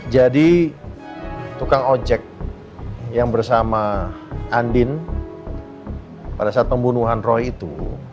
jadi tukang ojek yang bersama andin pada saat pembunuhan roy itu